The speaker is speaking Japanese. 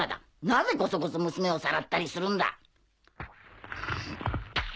なぜコソコソ娘をさらったりするんだ。